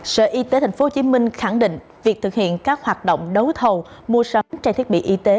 sở y tế tp hcm khẳng định việc thực hiện các hoạt động đấu thầu mua sắm trang thiết bị y tế